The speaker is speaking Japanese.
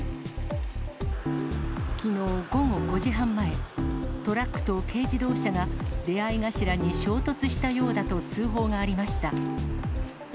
きのう午後５時半前、トラックと軽自動車が出会い頭に衝突したようだと通報がありました。